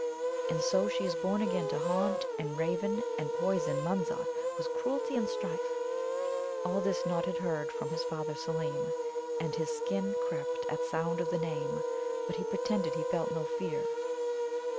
And so she is born again to haunt and raven and poison Munza with cruelty and strife. All this Nod had heard from his father Seelem, and his skin crept at sound of the name. But he pretended he felt no fear.